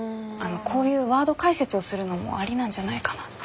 こういうワード解説をするのもありなんじゃないかなって。